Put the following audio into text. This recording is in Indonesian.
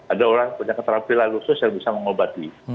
ada orang punya keterampilan khusus yang bisa mengobati